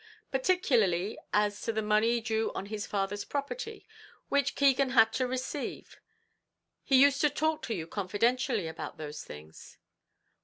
"Particularly as to the money due on his father's property, which Keegan had to receive; he used to talk to you confidentially about those things?"